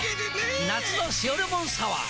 夏の「塩レモンサワー」！